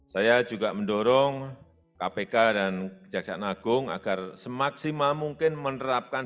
saya juga mendorong kpk dan kejaksaan agung agar semaksimal mungkin menerapkan